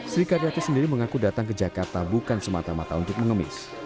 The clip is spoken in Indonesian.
sri karyati sendiri mengaku datang ke jakarta bukan semata mata untuk mengemis